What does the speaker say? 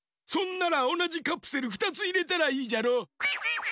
そんならおなじカプセル２ついれたらいいじゃろ！